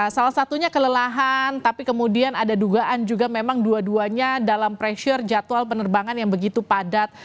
salah satunya kelelahan tapi kemudian ada dugaan juga memang dua duanya dalam pressure jadwal penerbangan yang begitu padat